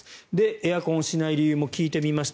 エアコンをしない理由も聞いてみました。